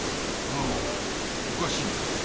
うん、おかしいな。